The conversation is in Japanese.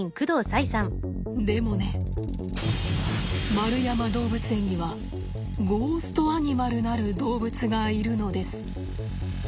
円山動物園にはゴーストアニマルなる動物がいるのです。